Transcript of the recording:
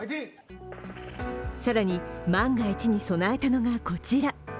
更に、万が一に備えたのがこちら。